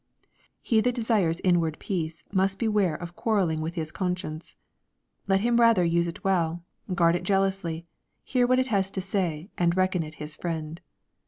He that desires inward peace must beware of quarrel ling with his conscience. Let him rather use it well, guard it jealously, hear what it has to say, and reckon it his friend.